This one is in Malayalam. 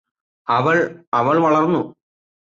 അവള് അവള് വളര്ന്നു